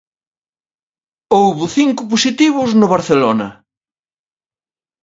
Houbo cinco positivos no Barcelona.